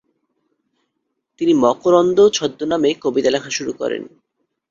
তিনি ‘মকরন্দ’ ছদ্মনামে কবিতা লেখা শুরু করেন।